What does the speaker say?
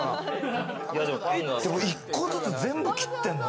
１個ずつ全部切ってんの？